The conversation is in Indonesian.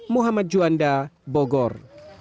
muhammad juanda bogor